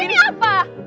ya terus ini apa